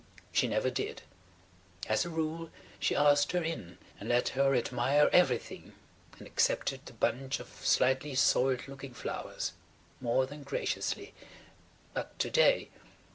She never did. As a rule she asked her in and let her admire everything and accepted the bunch of slightly soiled looking flowers–more than graciously. But to day